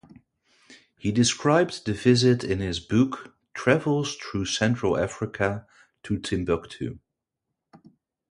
He described the visit in his book "Travels through Central Africa to Timbuctoo".